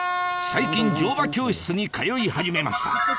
最近乗馬教室に通い始めました